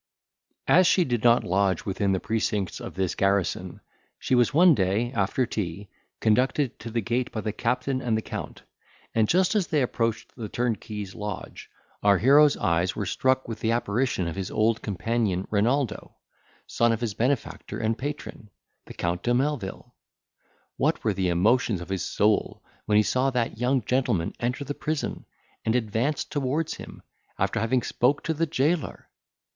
As she did not lodge within the precincts of this garrison, she was one day, after tea, conducted to the gate by the captain and the Count, and just as they approached the turnkey's lodge, our hero's eyes were struck with the apparition of his old companion Renaldo, son of his benefactor and patron, the Count de Melvil. What were the emotions of his soul, when he saw that young gentleman enter the prison, and advance towards him, after having spoke to the jailor!